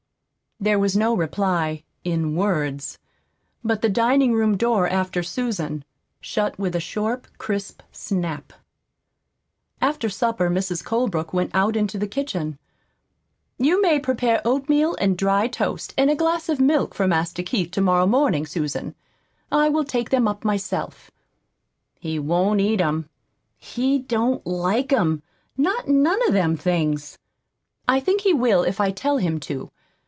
There was no reply in words. But the dining room door after Susan shut with a short, crisp snap. After supper Mrs. Colebrook went out into the kitchen. "You may prepare oatmeal and dry toast and a glass of milk for Master Keith to morrow morning, Susan. I will take them up myself." "He won't eat 'em. He don't like 'em not none of them things." "I think he will if I tell him to.